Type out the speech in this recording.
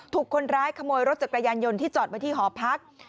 ถูกคนร้ายขโมยรถจักรยานยนต์ที่จอดไว้ที่หอพัก